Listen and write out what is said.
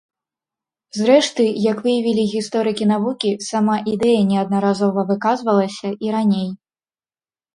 Зрэшты, як выявілі гісторыкі навукі, сама ідэя неаднаразова выказвалася і раней.